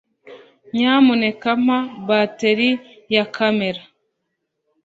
Nyamuneka mpa bateri ya kamera.